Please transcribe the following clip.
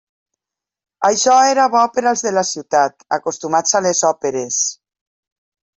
Això era bo per als de la ciutat, acostumats a les òperes.